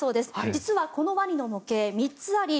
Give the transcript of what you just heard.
実はこのワニの模型３つあり